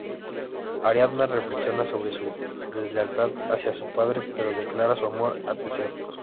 Ariadna reflexiona sobre su deslealtad hacia su padre, pero declara su amor a Teseo.